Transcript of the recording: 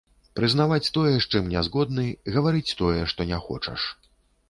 Прызнаваць тое, з чым не згодны, гаварыць тое, што не хочаш.